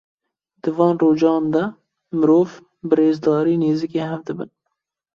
Di van rojan de mirov, bi rêzdarî nêzîkî hev dibin.